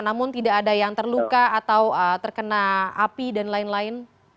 namun tidak ada yang terluka atau terkena api dan lain lain